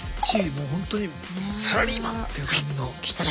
もうほんとにサラリーマンっていう感じの。